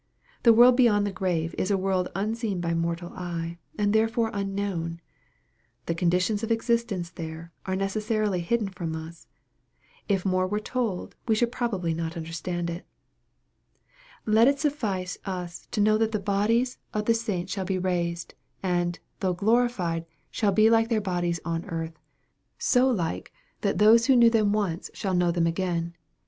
The world beyond the grave is a world unseen bymortal eye, and therefore unknown. The conditions of existence there, are necessarily hidden from us, and if more were told, we should probably not under stand it. Let it suffice us tc know that the bodies of the MARK, CHAP. XII. 259 Baints shall be raised, and, though glorified, shall be like their bodies on earth so like, that those who knew them once shall know them again.